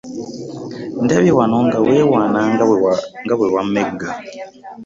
Ndabye wano nga weewaana nga bwe wammegga.